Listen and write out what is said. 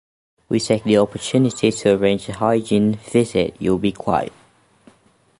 We take the opportunity to arrange a hygiene visit, you will be quiet.